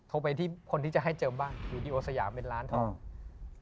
โทรไปที่คนที่จะให้เจิมบ้านอยู่ที่โอสยามเป็นร้านทอง